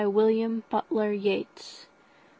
William Butler Yeats. b.